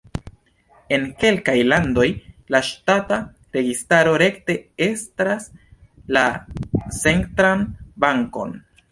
En kelkaj landoj la ŝtata registaro rekte estras la centran bankon.